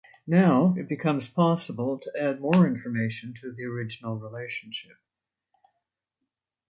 Now, it becomes possible to add more information to the original relationship.